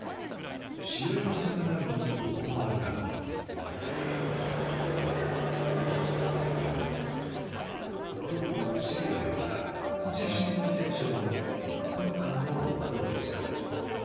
試合が始まる前に行われたのはトルコ・シリアで起きた地震の犠牲者への１分間の黙とうでした。